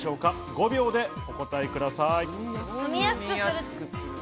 ５秒でお答えください。